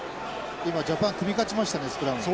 今ジャパン組み勝ちましたねスクラムに。